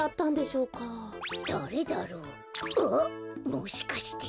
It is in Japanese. もしかして。